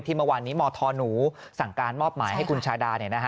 เมื่อวานนี้มธหนูสั่งการมอบหมายให้คุณชาดา